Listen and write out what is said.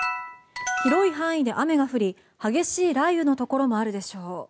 広い範囲で雨が降り激しい雷雨のところもあるでしょう。